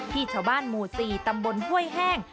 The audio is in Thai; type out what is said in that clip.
ที่ชาวบ้านหมู่๔ตำบลห้วยแห้ง